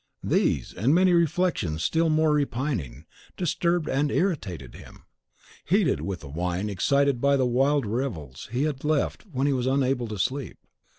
These, and many reflections still more repining, disturbed and irritated him. Heated with wine excited by the wild revels he had left he was unable to sleep.